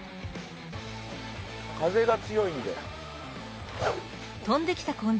風が強いんで。